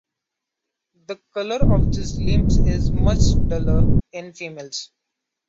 The colour of these limbs is much duller in females.